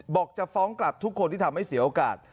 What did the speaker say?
บอกจะฟ้องกลับทุกคนที่ทำให้เสียโอกาส